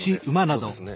そうですね。